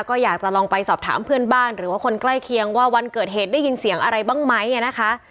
ก็อยากจะลองไปสอบถามเพื่อนบ้านหรือว่าคนใกล้เคียงว่าวันเกิดเหตุได้ยินเสียงอะไรบ้างไหมนะคะ